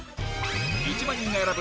１万人が選ぶ！